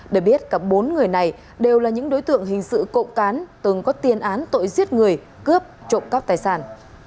để biết cả bốn người này đều là những đối tượng hình sự cộng cán từng có tiền án tội giết người cướp trộm cắp tài sản